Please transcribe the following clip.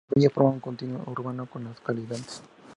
La villa forma un continuo urbano con las colindantes.